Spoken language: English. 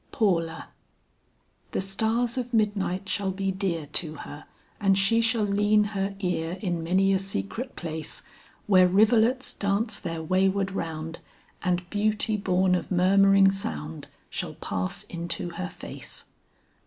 PAULA. "The stars of midnight shall be dear To her; and she shall lean her ear In many a secret place Where rivulets dance their wayward round, And beauty born of murmuring sound Shall pass into her face."